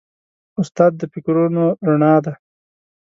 استاد د فکرونو رڼا ده.